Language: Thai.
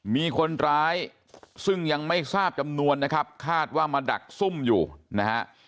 มีคนร้ายซึ่งยังไม่ทราบจำนวนนะครับคาดว่ามาดักซุ่มอยู่นะฮะ